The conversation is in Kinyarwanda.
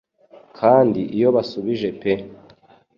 Kandi iyo basubije pe